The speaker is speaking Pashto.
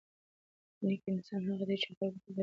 نېک انسان هغه دی چې خلکو ته ګټه رسوي.